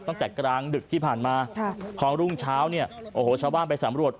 ตั้งแต่กลางดึกที่ผ่านมาพอรุ่งเช้าเนี่ยโอ้โหชาวบ้านไปสำรวจ